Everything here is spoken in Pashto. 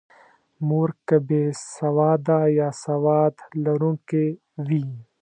مور که بې سواده یا سواد لرونکې وي.